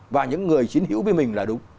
và những người chính hiểu với mình là đúng